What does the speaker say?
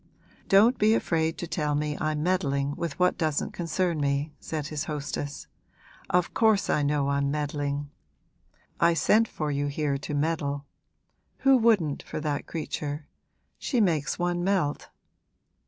'Don't be afraid to tell me I'm meddling with what doesn't concern me,' said his hostess. 'Of course I know I'm meddling; I sent for you here to meddle. Who wouldn't, for that creature? She makes one melt.'